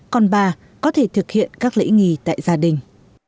còn bà có thể thực hiện các lễ nghỉ tại gia đình